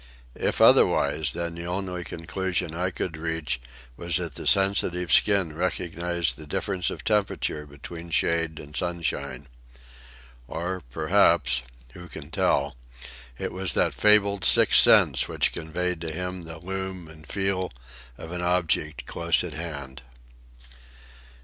If otherwise, then the only conclusion I could reach was that the sensitive skin recognized the difference of temperature between shade and sunshine. Or, perhaps,—who can tell?—it was that fabled sixth sense which conveyed to him the loom and feel of an object close at hand.